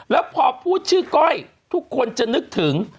แล้วพอพูดชื่อก้อยทุกคนจะนึกถึง